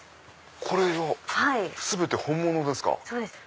これが全て本物ですか？